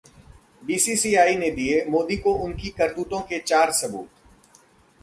BCCI ने दिये मोदी को उनकी करतूतों के चार सबूत